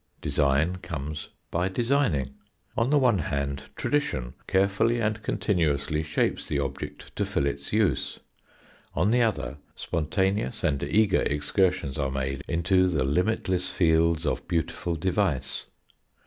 Design comes by designing. On the one hand tradition carefully and continuously shapes the object to fill its use, on the other spontaneous and eager excursions are made into the limitless fields of beautiful device.